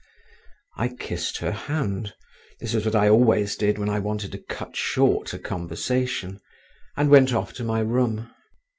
I kissed her hand (this was what I always did when I wanted to cut short a conversation) and went off to my room.